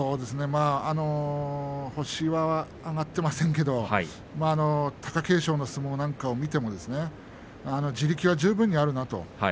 星は挙がっていませんけれど貴景勝の相撲なんかを見ても地力は十分にあるなと。